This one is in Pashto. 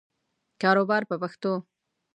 کاروبار په پښتو.